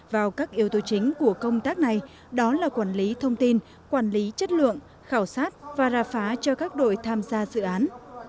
vào các yếu tố chính của công tác này đó là quản lý thông tin quản lý chất lượng khảo sát và ra phá cho các đội tham gia dự án